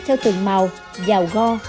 theo từng màu dào go